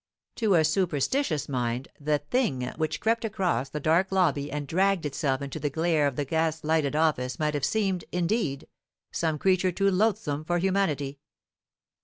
To a superstitious mind the THING which crept across the dark lobby and dragged itself into the glare of the gas lighted office might have seemed, indeed, some creature too loathsome for humanity.